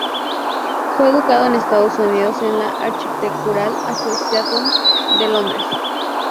Fue educado en Estados Unidos y en la Architectural Association de Londres.